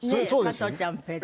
加トちゃんペッ。